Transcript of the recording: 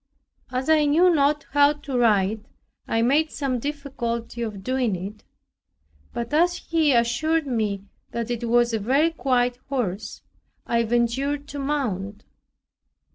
As I knew not how to ride I made some difficulty of doing it; but as he assured me that it was a very quiet horse, I ventured to mount.